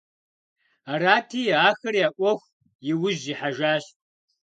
Арати, ахэр я Ӏуэху и ужь ихьэжащ.